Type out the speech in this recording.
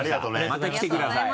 また来てください。